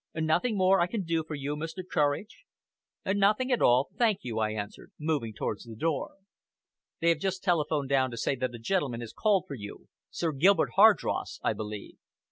Nothing more I can do for you, Mr. Courage?" "Nothing at all, thank you," I answered, moving towards the door. "They have just telephoned down to say that a gentleman has called for you Sir Gilbert Hardross, I believe."